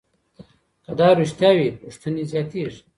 که دا رښتیا وي، پوښتنې زیاتېږي.